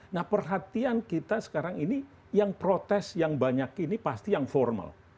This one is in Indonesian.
nah perhatian kita sekarang ini yang protes yang banyak ini pasti yang formal